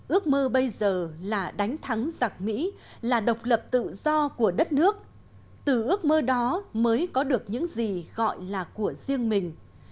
ước mơ bây giờ là đánh thắng giặc mỹ là độc lập tự do của đất nước từ ước mơ đó mới có được những gì gọi là của riêng mình